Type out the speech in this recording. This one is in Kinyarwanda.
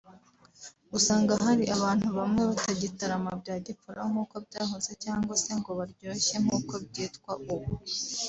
usanga hari abantu bamwe batagitarama bya gipfura nk’uko byahoze cyangwa se ngo baryoshye nkuko byitwa ubu